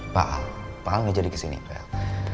pak pak nggak jadi ke sini fel